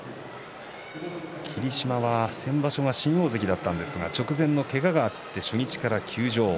霧島は先場所が新大関だったんですが直前のけががあって初日から休場。